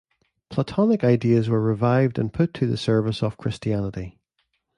Platonic ideas were revived and put to the service of Christianity.